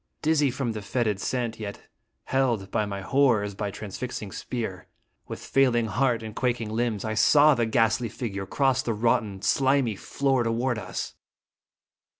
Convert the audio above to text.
Dizzy from the fetid scent, yet held by my horror as by transfixing spear, with failing heart and quak ing limbs, I saw the ghastly figure cross the rotten, slimy floor toward us.